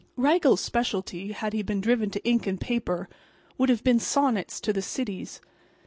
Raggles's specialty, had he been driven to ink and paper, would have been sonnets to the cities.